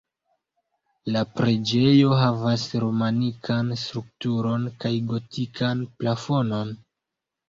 La preĝejo havas romanikan strukturon kaj gotikan plafonon.